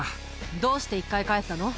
どうして１回帰ったの？